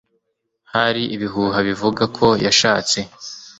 Hari ibihuha bivuga ko yashatse